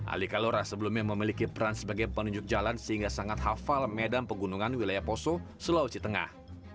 ali kalora sebelumnya memiliki peran sebagai penunjuk jalan sehingga sangat hafal medan pegunungan wilayah poso sulawesi tengah